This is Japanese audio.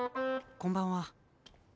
こんばんは。